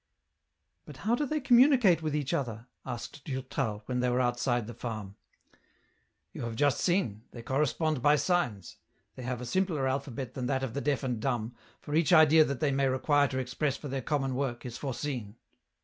" But how do they communicate with each other ?" asked Durtal, when they were outside the farm. " You have just seen ; they correspond by signs ; they have a simpler alphabet than that of the deaf and dumb, for each idea that they may require to express for their common work is foreseen.